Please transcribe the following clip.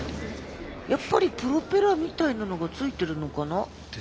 やっぱりプロペラみたいなのが付いてるのかな？